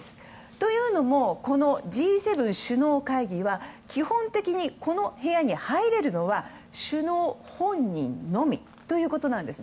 というのも、このＧ７首脳会議は基本的にこの部屋には入れるのは首脳本人のみということなんです。